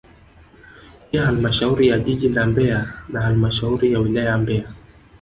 Pia halmashauri ya jiji la Mbeya na halmashauri ya wilaya ya Mbeya